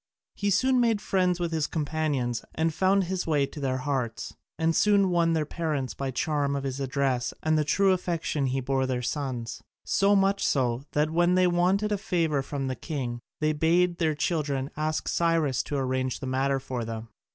He soon made friends with his companions and found his way to their hearts, and soon won their parents by the charm of his address and the true affection he bore their sons, so much so that when they wanted a favour from the king they bade their children ask Cyrus to arrange the matter for them.